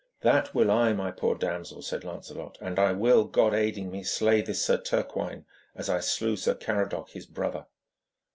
'That will I, my poor damsel,' said Lancelot, 'and I will, God aiding me, slay this Sir Turquine as I slew Sir Caradoc his brother.'